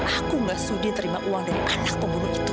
aku mbak sudi terima uang dari anak pembunuh itu